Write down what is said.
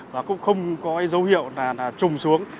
và cũng không có dấu hiệu là trùng xuống